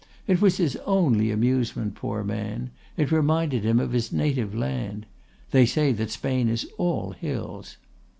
It was his only amusement, poor man; it reminded him of his native land. They say that Spain is all hills!